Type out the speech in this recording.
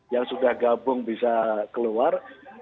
yang sudah gabung bisa keluar